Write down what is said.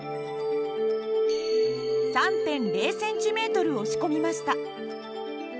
３．０ｃｍ押し込みました。